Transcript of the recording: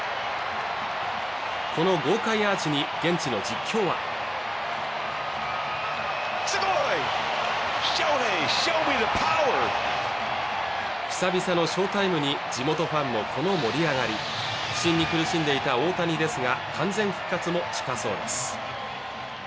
この豪快アーチに現地の実況は久々の翔タイムに地元ファンもこの盛り上がり不振に苦しんでいた大谷ですが完全復活も近そうです